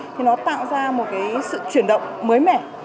thì nó tạo ra một cái sự chuyển động mới mẻ